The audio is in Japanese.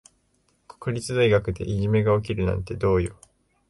国立大学でいじめが起きるなんてどうよ。